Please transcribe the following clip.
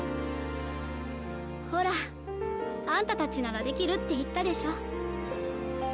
ほらあんたたちならできるって言ったでしょ。